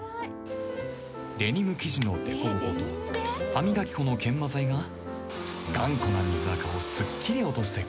デニム生地の凸凹と歯磨き粉の研磨剤が頑固な水あかをすっきり落としてくれるらしい